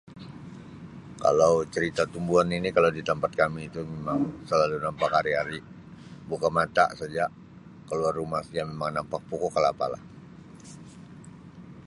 Kalau cerita tumbuhan ini kalau di tampat kami itu mimang selalu nampak hari-hari buka mata saja keluar rumah saja mimang nampak pokok kelapa lah.